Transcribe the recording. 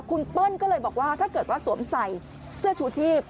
คุณเปิ้ลก็เลยบอกว่าถ้าเกิดว่าสวมใส่เสื้อชูชีพ